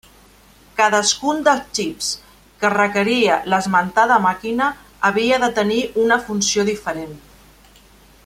Cadascun dels xips que requeria l'esmentada màquina havia de tenir una funció diferent.